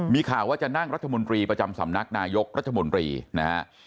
มีข่าวว่าจะนั่งรัฐมนตรีประจำสำนักนายกรัฐมนตรีนะฮะ